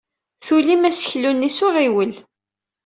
Tulim aseklu-nni s uɣiwel.